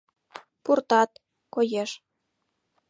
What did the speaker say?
Пуртат, коеш.